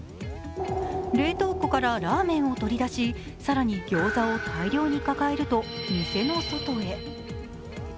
冷凍庫からラーメンを取り出し更にギョーザを大量に抱えると、店の外へ。